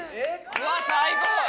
うわ最高！